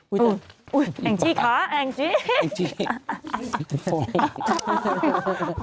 อุ๊ยแองจี้ค่ะแองจี้ขอบคุณแม่